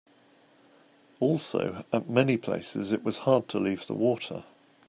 Also, at many places it was hard to leave the water.